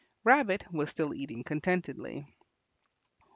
Rabbit was still eating contentedly.